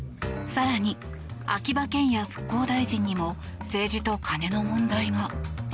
更に、秋葉賢也復興大臣にも政治と金の問題が。